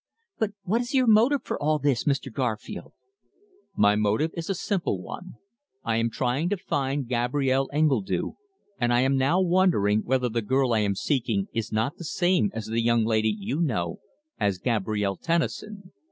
"But what is your motive for all this, Mr. Garfield?" "My motive is a simple one. I am trying to find Gabrielle Engledue, and I am now wondering whether the girl I am seeking is not the same as the young lady you know as Gabrielle Tennison."